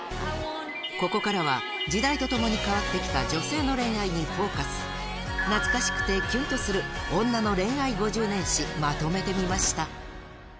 ここからは時代とともに変わって来た女性の恋愛にフォーカス懐かしくてキュンとするまとめてみました